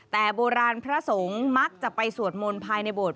แต่โบราณพระสงฆ์มักจะไปสวดมนต์ภายในโบสถ